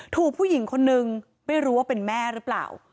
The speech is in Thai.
ถูกผู้หญิงคนนึงไม่รู้ว่าเป็นแม่หรือเปล่า